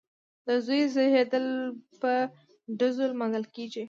د زوی زیږیدل په ډزو لمانځل کیږي.